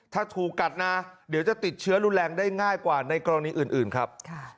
ถ้าถูกกัดนะเดี๋ยวจะติดเชื้อรุนแรงได้ง่ายกว่าในกรณีอื่นครับ